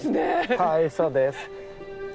はいそうです。